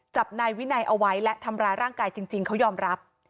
จับนายวินัยเอาไว้และทำร้ายร่างกายจริงเขายอมรับ